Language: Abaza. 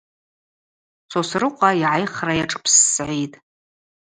Сосрыкъва йгӏайхра йашӏпсгӏитӏ.